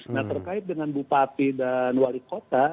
nah terkait dengan bupati dan wali kota